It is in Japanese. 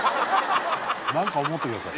何か思ってください